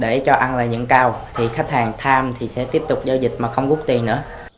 để cho ăn là nhuận cao thì khách hàng tham thì sẽ tiếp tục giao dịch mà không gút tiền nữa